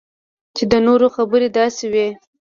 چې د نورو خبرې داسې وي